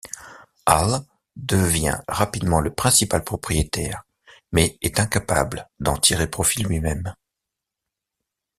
Hall devient rapidement le principal propriétaire, mais est incapable d'en tirer profit lui-même.